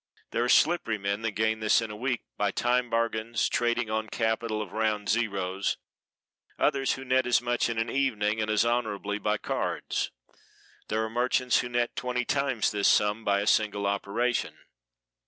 There are slippery men that gain this in a week by time bargains, trading on capital of round 0's; others who net as much in an evening, and as honorably, by cards. There are merchants who net twenty times this sum by a single operation.